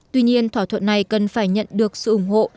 tuy nhiên thỏa thuận này cần phải nhận được sự ủng hộ